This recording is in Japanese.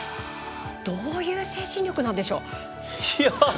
どういう精神力なんでしょう。